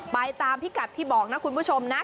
ไปตามพิกัดที่บอกนะคุณผู้ชมนะ